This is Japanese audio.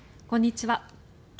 こんにちは。